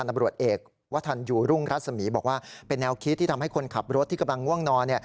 ตำรวจเอกวัฒนยูรุ่งรัศมีร์บอกว่าเป็นแนวคิดที่ทำให้คนขับรถที่กำลังง่วงนอน